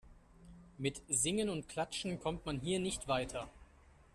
Mit Singen und Klatschen kommt man hier nicht weiter.